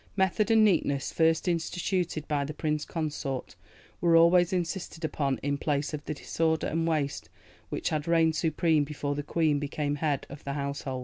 Method and neatness, first instituted by the Prince Consort, were always insisted upon in place of the disorder and waste which had reigned supreme before the Queen became head of the household.